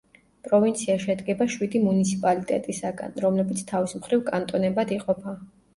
პროვინცია შედგება შვიდი მუნიციპალიტეტისაგან, რომლებიც თავის მხრივ კანტონებად იყოფა.